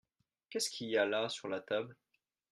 Qu’est-ce qu’il y a là sur la table ?